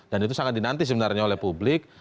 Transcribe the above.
dan itu sangat dinanti sebenarnya oleh publik